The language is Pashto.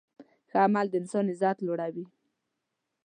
ښه عمل د انسان عزت لوړوي.